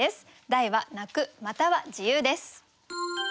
題は「泣」または自由です。